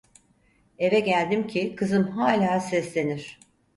Eve geldim ki kızım hala seslenir: